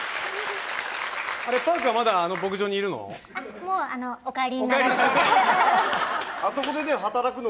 あれ、パークはまだあの牧場にいるの？